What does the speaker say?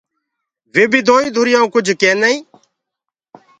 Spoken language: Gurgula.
وي بي دوئيٚ ڌُريانٚوٚ ڪُج ڪيندآ هينٚ۔